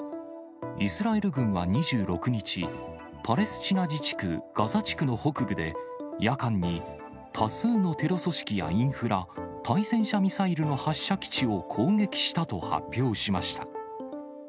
イスラエル軍は２６日、パレスチナ自治区・ガザ地区の北部で、夜間に多数のテロ組織やインフラ、対戦車ミサイルの発射基地を攻撃したと発表しました。